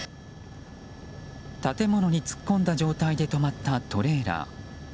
建物に突っ込んだ状態で止まったトレーラー。